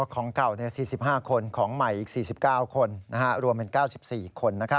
ของเก่า๔๕คนของใหม่อีก๔๙คนรวมเป็น๙๔คน